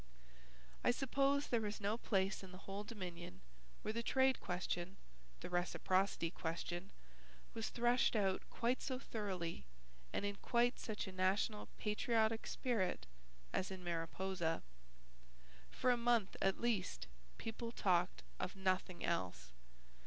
I suppose there was no place in the whole Dominion where the trade question the Reciprocity question was threshed out quite so thoroughly and in quite such a national patriotic spirit as in Mariposa. For a month, at least, people talked of nothing else.